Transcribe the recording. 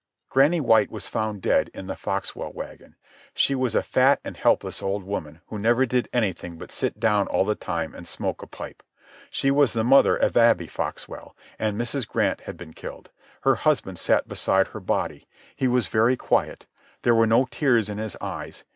Granny White was found dead in the Foxwell wagon. She was a fat and helpless old woman who never did anything but sit down all the time and smoke a pipe. She was the mother of Abby Foxwell. And Mrs. Grant had been killed. Her husband sat beside her body. He was very quiet. There were no tears in his eyes.